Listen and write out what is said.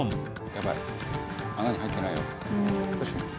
やばい穴に入ってないよ。